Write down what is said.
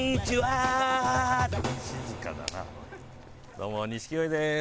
どうも錦鯉です。